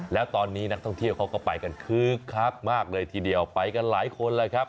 แล้วตอนนี้นักท่องเที่ยวเขาก็ไปกันคึกคักมากเลยทีเดียวไปกันหลายคนแล้วครับ